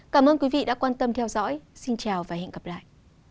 cảm ơn quý vị đã quan tâm theo dõi xin chào và hẹn gặp lại